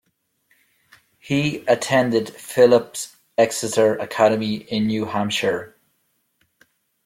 He attended Phillips Exeter Academy in New Hampshire.